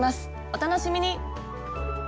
お楽しみに！